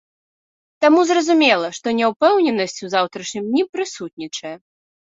Таму зразумела, што няўпэўненасць у заўтрашнім дні прысутнічае.